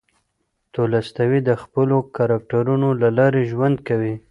تولستوی د خپلو کرکټرونو له لارې ژوند کوي.